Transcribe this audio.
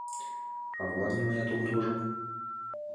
А молан нимаят огыт вожыл?